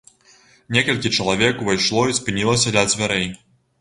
Некалькі чалавек увайшло і спынілася ля дзвярэй.